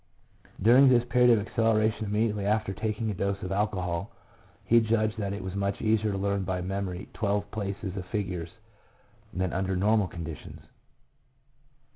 During this period of acceleration immediately after taking a dose of alcohol, he judged that it was much easier to learn by memory twelve places of figures than under normal conditions.